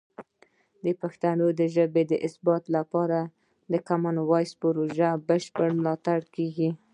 د پښتو ژبې د ثبت لپاره د کامن وایس پروژې بشپړ ملاتړ کیږي.